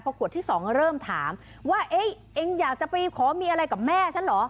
พอขวดที่๒เริ่มถามว่าเอ๊ะเองอยากจะไปขอมีอะไรกับแม่ฉันเหรอ